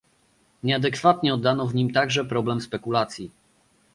Nieadekwatnie oddano w nim także problem spekulacji